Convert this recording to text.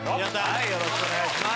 よろしくお願いします。